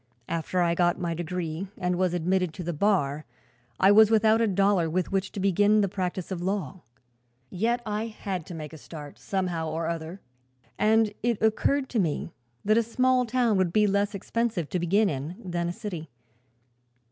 After I got my degree and was admitted to the bar I was without a dollar with which to begin the practice of law. Yet I had to make a start, somehow or other, and it occurred to me that a small town would be leas expensive to begin in than a city.